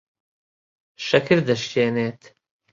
شەکر دەشکێنێت.